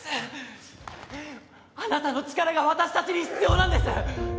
あなたの力が私たちに必要なんです！